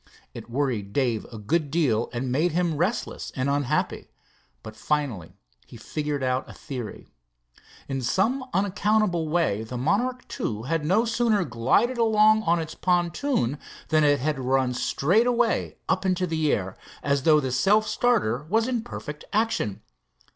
It worried Dave a good deal and made him restless and unhappy, but finally he figured out a theory. In some unaccountable way the Monarch II had no sooner glided along on its pontoon, than it had run straightway up into the air, as though the self starter was in perfect action.